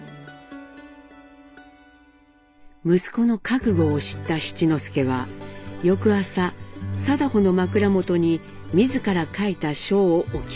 息子の覚悟を知った七之助は翌朝禎穗の枕元に自ら書いた書を置きます。